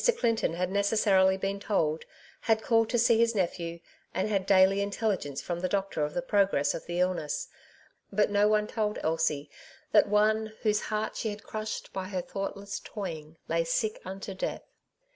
Clinton had necessarily been told, had called to see his nephew, and had daily intelligence from the doctor of the progress of the illness ; but no one told Elsie that one, whose heart she had crushed by her thoughtless toying, lay sick unto death.